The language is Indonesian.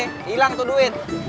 hilang tuh duit